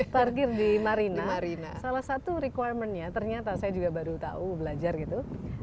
parkir di marina salah satu requirement nya ternyata saya juga baru tahu belajar gitu